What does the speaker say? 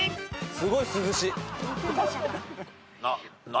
すごい涼しい。